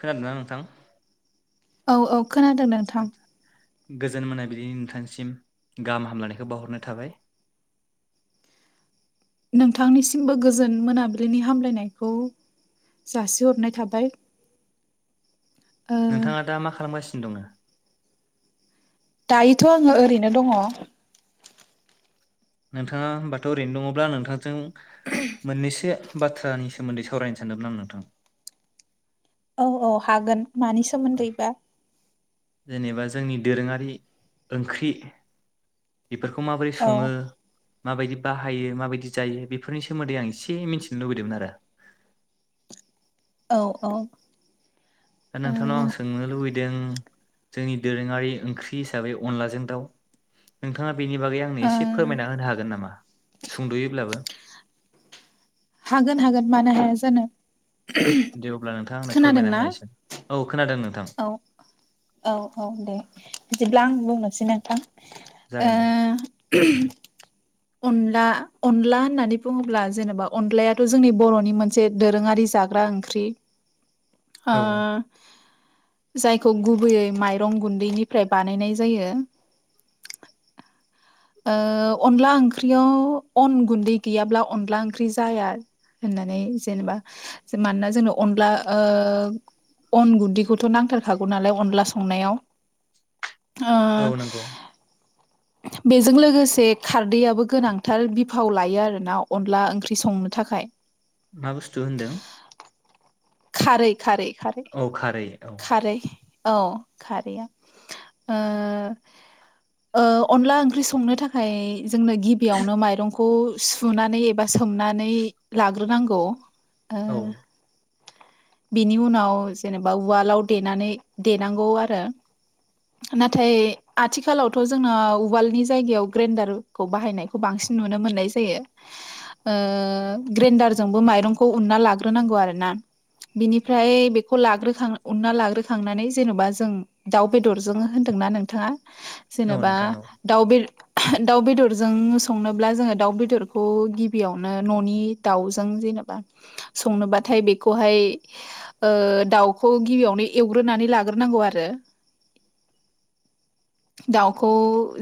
खोनादोंना नोंथां? औ औ खोनादों नोंथां? गोजोन मोना बिदिनि नोंथांसिम गाहाम हामलनायखौ बावहरनाय थाबाय नोंथांनिसिमबो गोजोन मोनाबिलिनि हामलायनायखौ जासिहरनाय थाबाय ओ नोंथाङा दा मा खालामगासिनो दङ? दायोथ' आङो ओरैनो दङ। नोंथाङा होनबाथौ ओरैनो दङब्ला आं नोंथांजों मोननैसो। बाथ्रानि सोमोन्दै सावरायनो सानदोंमोन आं नोंथां। औ औ हागोन। मानि सोमोन्दैबा जेनेबा जोंनि दोरोङारि ओंख्रि बेफोरखौ माबोरै औ सङो। माबायदि बाहायो माबायदि जायो बेफोरनि सोमोन्दै आं एसे मिथिनो लुबैदोंमोन आरो। औ औ दा नोंथांनाव आं सोंनो लुबैदों। जोंनि दोरोङारि ओंख्रि हिसाबै अनलाजों दाउ नोंथाङा बेनि बागै आंनो ओ एसे फोरमायना होनो हागोन नामा सुंद'योब्लाबो? हागोन हागोन मानो हाया जानो- दे अब्ला नोंथां आंनो खोनादों फोरमायना ना होनायसै। औ खोनादों नोंथां औ औ औ दे बिदिब्ला आं बुं मोनसे नोंथां। आ जागोन दे अनला अनला होननानै बुङोब्ला जेनेबा अनलायाथ' जोंनि बर'नि मोनसे दोरोङारि जाग्रा ओंख्रि। आ औ जायखौ गुबैयै माइरं गुन्दैनिफ्राय बानायनाय जायो। ओ अनला ओंख्रियाव अन गुन्दै गैयाब्ला अनला ओंख्रि जाया होननानै जेनेबा मानोना जोंनो अनला ओ अन गुन्दैखौथ' नांथारखागौ नालाय अनला संनायाव आ औ नंगौ [inaudible] बेजों लोगोसे खारदैयाबबो गोनांथार बिफाव लायो आरो ना अनला ओंख्रि संनो थाखाय मा बुस्थु होनदों? खारै खारै खारै अ खारै औ खारै औ खारैया ओ ओ अनला ओंख्रि संनो थाखाय जोंनो गिबियावनो माइरंखौ सुनानै एबा सोमनानै लाग्रोनांगौ औ ओ बिनि उनाव जेनेबा बा अवालाव देनानै देनांगौ आरो नाथाय आथिखालावथ' जोंनाव उवालनि जायगायाव ग्रेनदारखौ बाहायनायखौ बांसिन नुनो मोननाय जायो ओ ग्रेनदारजोंबो माइरंखौ उनना लानाग्रो नांगौ आरो ना बेनिफ्राय बेखौ लाग्रो खां उनना लाग्रोखांनानै जेन'बा जों दाउ बेदरजों होनदोंना नोंथाङा औ जेनेबा नोंथां औ दाउ बे दाउ बेदरजों संनोब्ला जोङो दाउ बेदरखौ गिबियावनो न'नि दाउजों जेनेबा संनोबाथाय बेखौहाय दाउ खौ गिबियावनो एवग्रोनानै लाग्रोनांगौ आरो दाउखौ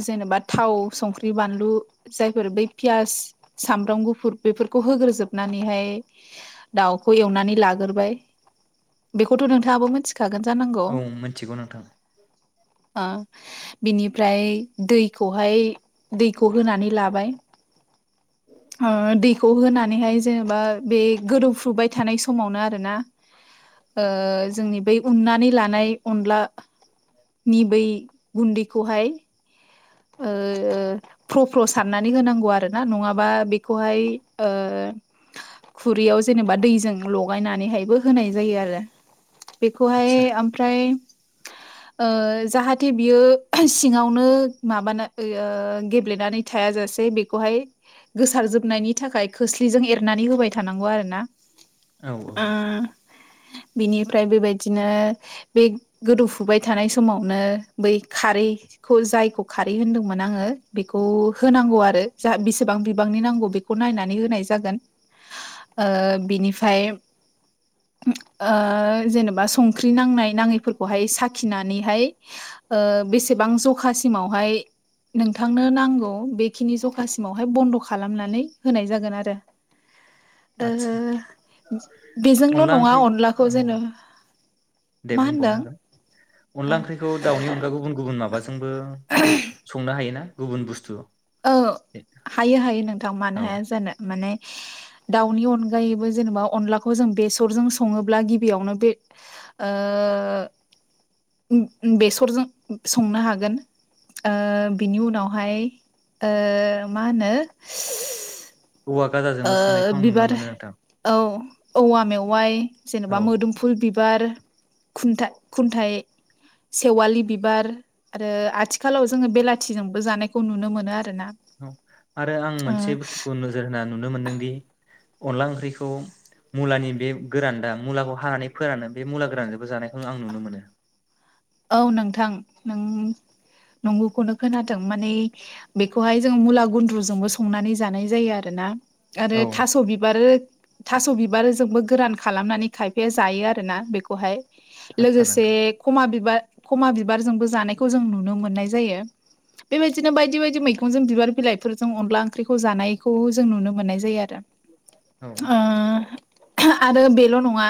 जेनेबा थाव संख्रि बानलु जायफोर बै पियास सामब्राम गुफुर बेफोरखौ होग्रोजोबनानैहाय दाउखौ एवनानै लाग्रोबाय बेथ' नोंथाङाबो मिथि औ मिथिगौ नोंथां ओं बिनिफ्राय दैखौहाय दैखौ होनानै लाबाय ओ दैखौ होनानैहाय जेनेबा बे गोदौफ्रुबाय थानाय समावनो आरोना ओ जोंनि बै उननानै लानाय अनलानि बै गुन्दैखौहाय ओ फ्र फ्र सारनानै होनांगौ आरो ना नङाबा बेखौहाय खुरैयाव जेनेबा दैजों लगायनानैहायबो होनाय जायो आरो बेखौहाय आदसा ओमफ्राय ओ जाहाथे बियो सिङावनो माबा गेब्लेनानै थाया जासे बेखौहाय गोसारजोबनायनि थाखाय खोस्लिजों एरनानै होबाय थानांगौ आरो ना औ औ आ बिनिफ्राय बेबायदिनो बे गोदौफुबाय थानाय समावनो बै खारैखौ जायखौ खारै होनदोंमोन आंङो बिखौ होनांगौ आरो जा बिसिबां बिबांनि नांगौ बेखौ नायनानै होनना जागोन ओ बिनिफाय ओ जेनबा संख्रि नांनाय नाङैफोरखौहाय साखिनानैहाय ओ बेसेबां जखा सिमावहाय नोंथांनो नांगौ बेखिनि जखासिमावहाय बन्द' खालामनानै होनाय जागोन आरो ओ आदसा बेजोंल' अनला नङा ओंख्रि अनलाखौ औ जेन' दे मा होनदों बुंबावनो हागोन ओ अनला ओंख्रिखौ दाउनि अनगा गुबुन गुबुन माबाजोंबो संना हायोना गुबुन बुस्थु औ हायो हायो नोंथां औ मानो हाया जानो माने दाउनि अनगायैबो जेनेबा अनलाखौ जों बेसरजों सङोब्ला गिबियावनो ओ बे बेसरजों संनो हागोन बिनि उनावहाय ओ मा होनो औवा ओ गाजोंबो संनायखौ आं नुनो बिबार मोनो नोंथां औ औवा मेवाइ औ जेनेबा मोदोम फुल बि बार खुन्था खुन्थायाइ सेवालि बिबार आरो आथिखालाव जोङो बेलाथिजोंबो जानायखौ नुनो मोनो आरो औ आरो आं मोनसे बुस्थुखौ नोजोर होनानै नुनो मोन्दोंदि अनला ओंख्रिखौ मुलानि बे गोरान दा मुलाखौ हानानै फोरानो बे मुला गोरानजोंबो जानायखौ आं नुनो मोनो। [inaudible] आरो थास' बिबार थास' बिबारजोंबो गोरान खालामनानै खायफाया जायो आरो ना बेखौहाय आदसा लोगोसे नोंथां खमा बिबार खमा बिबारजोंबो जानायखौ जों नुनो मोननाय जायो बेबायदिनो बायदि बायदि मैजों बिबार बिलाइ जों अनला ओंख्रिखौ जानायखौ जों नुनो मोननाय जायो आरो औ ओ आरो बेल' नङा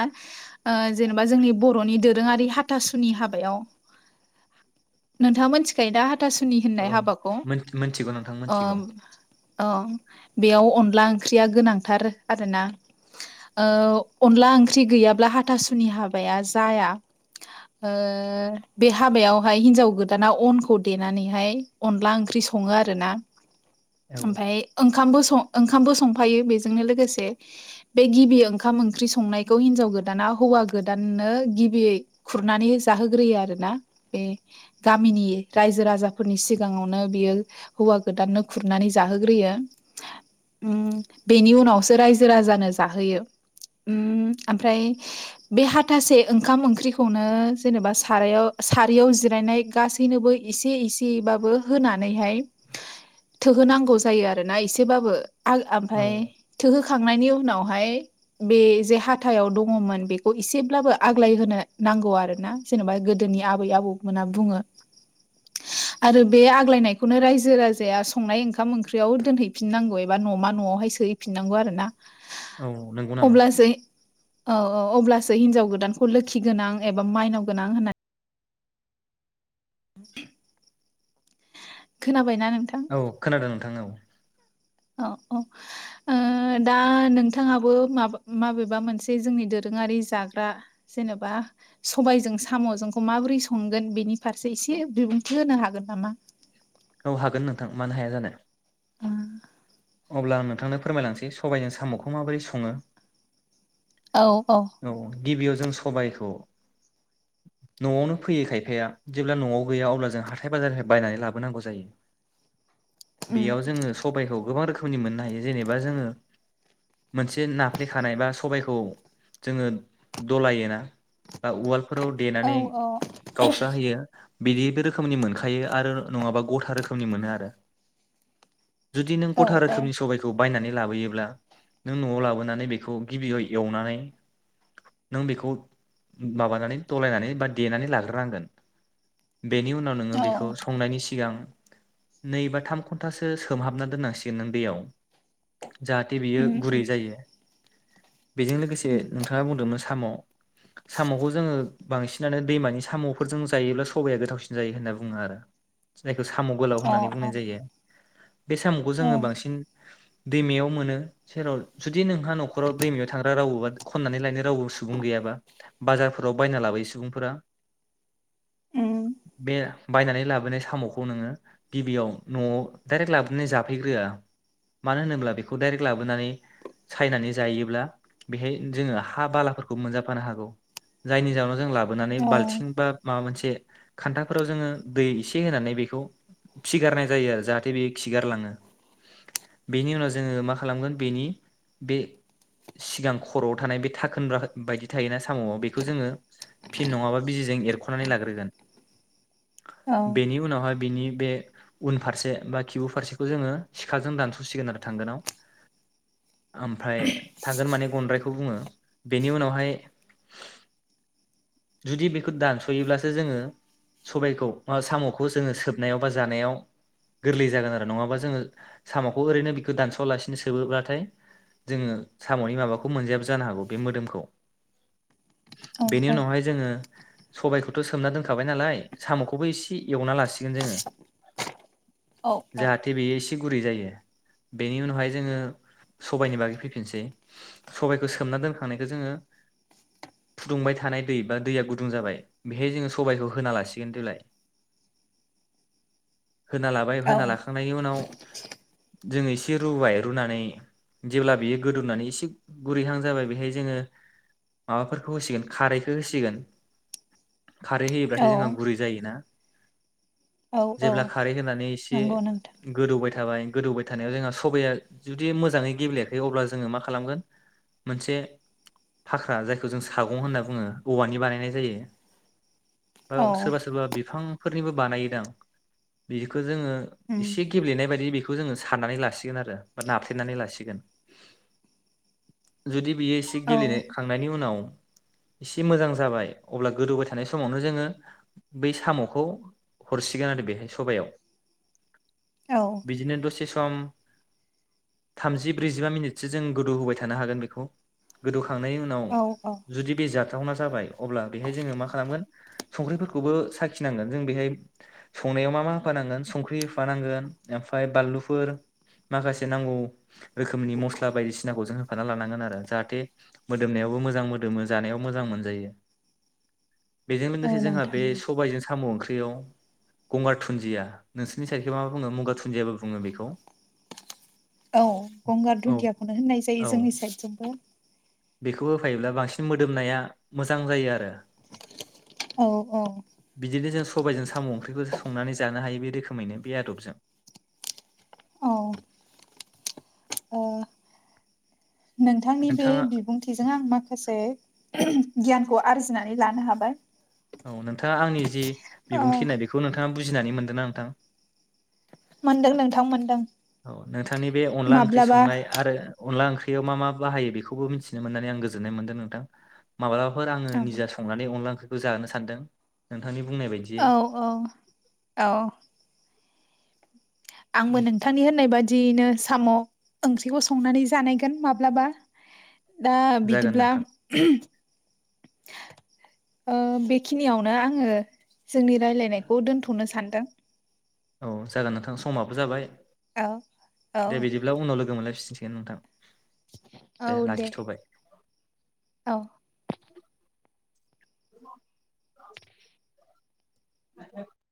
जेनेबा ओ जोंनि बर'नि दोरोङारि हा आथासुनि हाबायाव नोंथाङा मोनथिखायो दा थासुनि होननाय हाबाखौ मोन मोनथिगौ नोंथां अ मोनथिगौ अ बेयाव अनला ओंख्रिया गोनांथार आरोना अनला ओंख्रि गैयाब्ला हाथासुनि हाबाया जाया। बे हाबायावहाय हिन्जाव गोदाना अनखौ देनानैहाय अनला ओंख्रि सङो आरोना औ ओमफाय ओं ओंखामबो ओंखामबो संफायो बेजोंनो लोगोसे बे गिबि ओंखाम ओंख्रि संनायखौ हिनजाव गोदाना हौवा गोदाननो गिबियै खुरनानै जाहोग्रोयो आरो ना बे गामिनि रायजो राजाफोरनि सिगाङावनो बियो हौवा गोदाननो खुरनानै जाहोग्रोयो ओम बेनि उनावसो रायजो राजानो जाहोयो ओम ओमफ्राय बे हाथासे ओंखाम ओंख्रिखौनो जेनेबा सारायाव सारियाव जिरायनाय गासैनोबो एसे इसेयैबाबो होनानैहाय थोहोनांगौ जायो आरोना एसेबाबो आल औ ओमफाय थोहोखा खांनायनि उनावहाय बे जे हाथायाव दङमोन बेखौ एसेब्लाबो आग्लाय होनो नांगौ आरोना जेनेबा गोद गोदोनि आबै आबौमोना बुङो आरो बे आग्लायनायखौनो रायजो राजाया संनाय ओंखाम ओंख्रियाव दोनहैफिननांगौ एबा न'मा न'आवहाय सोहैफिननांगौ आरो ना। औ नंगौ नामा? औ औ अब्लासो हिन्जाव गोदानखौ लोखि गोनां एबा माइनाव गोनां होननानै [unintelligible] खोना औ खोनादों नोंथां औ औ औ ओ दा नोंथाङाबो माब माबेबा मोनसे जोंनि दोरोङारि जाग्रा जेनेबा सबायजों साम'जोंखौ माबोरै संगोन बेनि फारसे इसे बिबुंथि होनो हागो हागोन नामा औ हागोन नोंथां मानो हाया जानो। ओं अब्ला आं नोंथांनो फोरमायलांसै सबायजों साम'खौ माबोरै सङो। औ गिबियाव जों सबायखौ न'आवनो फैयो खायफाया जेब्ला न'आव गैया अब्ला जों हाथाय बाजारनिफ्राय बायनानै लाबोनांगौ जायो। उम बेयाव जोङो सबायखौ गोबां रोखोम रोखोमनि मोननो हायो जेनेबा जोङो मोनसे नाफ्लेखानाय बा सबायखौ जोङो दलायोना बा उवालफोराव औ देनानै गावस्रा होयो। बिदि बे रोखोमनि मोनखायो आरो नङाबा गथा रोखोमनि मोनो आरो। जुदि नों औ गथा रोखोमनि सबायखौ बायनानै लाबोयोब्ला नों न'आव लाबोनानै बेखौ गिबियाव एवनानै नों बेखौ माबानानै दलायनानै बा देनानै लाग्रोनांगोन बेनि उनाव नोङो औ बेखौ संनायनि सिगां नै बा थाम घन्टासो सोमहाबना दोननांसिगोन नों दैयाव जाहाथे बियो उम गुरै उम जायो। बेजों लोगोसे से नोंथाङा बुंदोंमोन साम' साम'खौ जोङो बांसिनानो दैमानि साम'फोरजों जायोब्ला सबाया गोथावसिन जायो होनना बुङो आरो जायखि साम' गोलाव अ होननानै अ बुंनाय जायो। बे साम'खौ औ जोङो बांसिन दैमायाव मोनो सेराव जुदि नोंहा न'खराव दैमायाव थांग्रा रावोबा खननानै लायनो रावबो सुबुं गैयाबा बाजारफोराव बायना लाबोयो सुबुंफोरा उम बे बायनानै लाबोनाय साम'खौ नोङो गिबियाव न'आव दडाइरेक्ट लाबोनानै जाफैग्रोआ मानो होनोब्ला बेखौ डाइरेक्ट लाबोनानै सायनानै जायोब्ला बेहाय जोङो हा बालाफोरखौ मोनजाफानो हागौ जायनि जाउनाव जों लाबो लाबोनानै औ बालथिं बा माबा मोनसे खान्थाफोराव जोङो दै एसे होनानै बेखौ खिगारनाय जायो आरो जाहाथे बेयो खिगारलाङो बेनि उनाव जोङो मा खालामगोन बेनि बे सिगां खर'आव थानाय बे थाखोना बायदि थायोना साम'आव बेखौ जोङो फिन नङाबा बिजिजों एरख'नानै लाग्रोगोन औ बेनि उनावहाय बिनि बे उन फारसे बा खिबु फारसेखौ जोङो सिखाजों दानस'सिगोन आरो थांगोनाव ओमफ्राय थागोन माने गद्राय बो बुङो बेनि उनावहाय जुदि बेखौ दानसयोब्लासो जोङो सबाइखौ साम'खौ जों सोबनायाव बा जानायाव गोरलै जागोन आरो नङाबा जोङो साम'खौ ओरैनो बे दानस'वालासिनो सोबोाथाय जोङो साम'नि माबाखौ मोनजायाबो जानो हागौ बे मोदोमखौ बेनि उनावहाय जोङो- सबायखौथ' सोमना दोनखाबाय नालाय साम'खौबो एसे एवना लासिगोन जोङो औ औ जाहाथे बेयो एसे गुरै जायो। बेनि उनावहाय जोङो सबायाइनि बागै फैफिनसै सबायाइखौ सोमना दोनखांनायखौ जोङो फुदुंबाय थानाय दै बा दैया गुदुं जाबाय बेहाय जोङो सबाइखौ होना लासिगोन देलाय होना लाबाय होना लाखांनायनि उनाव जोङो एसे रुबाय रुनानै जेब्ला बियो गोदौनानै एसे गुरैहां जाबाय बेहाय जोङो माबाफोरखौ होसिगोन खारैखौ होसिगोन। खारै होयोब्लाथाय औ जोंहा गुरै जायोना। औ औ जेब्ला खारै होनानै एसे नंगौ नोंथां गोदौबाय थाबाय गोदौबाय थानायाव जोंहा सबाया जुदि मोजाङै गेबेयाखै अब्ला जोङो मा खालामगो मोनसे फाख्रा जायखौ जों सागं होनना बुङो औवानि बानायनाय जायो। औ सोरबा सोरबा बिफां फोरनिबो बानायोदांं बिखौ जोङो उम एसे गेब्लेनाय बायदि बेखौ बेखौ जोङो साननानै लासिगोन आरो बा नाफ्लेनानै लासिगोन। जुदि बियो एसे औ गेलेखांनायनि उनाव इसे मोजां जाबाय अब्ला गोदौबाय थानाय समावनो जोङो बै साम'खौ हरसिगोन आरो बेहाय सबायाव औ बिदिनो दसे सम थामजि ब्रैजिबा मिनिटसो जों गोदौ होबाय थानो हागोन बेखौ गोदौ खांनायनि उनाव औ औ जुदि बे जा थावना जाबाय अब्ला बेहाय जोङो मा खालामगोन संख्रिफोरखौबो साखिनांगोन जों बेहाय संनायाव मा मा होफानांगोन संख्रि होफानांगोन ओमफ्राय बानलुफोर माखासे नांगौ रोखोमनि मस्ला बायदिसिना सिनाखौ जों होफान लानांगोन आरो जाहाथे मोदोमनायावबो मोजां मोदोमो जानायाव मोजां मोनजायो। बेजों औ लोगोसे जोंहा बे नोंथां औ सबायजों साम' ओंख्रि बेयाव गंगा थुुनजिया नोंसोरनि साइदखोय मा बुङो मुगा थुुनजियाबो बुङो बेखौ औ गंगार औ धुनदियाखौनो होननाय जायो औ जोंनि सायदथिंबो। बेखौ होफायोब्ला बांसिन मोदोमनाया मोजां जायो आरो। औ औ बिदिनो जों सबायजों साम' ओंख्रिखौ संनानै जानो हायो बे रोखोमैनो बे आदबजों औ ओ नोंथांनि बे नोंथाङा बिबुंथिजों आं माखासे गियानखौ आरजिनानै लानो हाबाय। औ नोंथाङा आंनि जि ओ बिबुंथि होननाय बेखौ नोंथां नोंथाङा बुजिनानै मोनदों ना नोंथां। मोनदों नोंथां मोनदों। औ नोंथांनि बे अनला ओंख्रि माब्लाबा संनाय आरो अनला ओंख्रियाव मा मा बाहायो बेखौबो मिथिनो मोननानै आं गोजोननाय मोनदों नोंथां। माब्लाफोर आङो औ निजा संनानै अनला ओंख्रि जानो सानदों नोंथांनि बुंनाय बायदियै औ औ औ आंबो नोंथांनि होननाय बादि जिनो साम' ओंख्रिखौ संनानै जानायगोन माब्लाबा दा जागोन बिदिब्ला नोंथां ओ बेखिनियावनो आङो जोंनि रायलायनायखौ दोनथ'नो सानदों। औ जागोन नोंथां समाबो जाबाय। औ औ दे बिदिब्ला उनाव लोगो मोनलाय फिन फिनसिगोन नोंथां। औ दे औ [unintelligible]